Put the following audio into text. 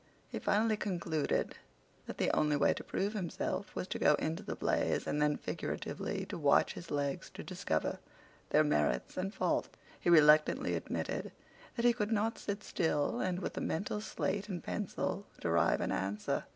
He finally concluded that the only way to prove himself was to go into the blaze, and then figuratively to watch his legs to discover their merits and faults. He reluctantly admitted that he could not sit still and with a mental slate and pencil derive an answer.